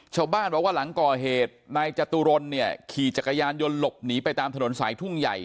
ชาวบ้านบอกว่าหลังก่อเหตุนายจตุรนเนี่ยขี่จักรยานยนต์หลบหนีไปตามถนนสายทุ่งใหญ่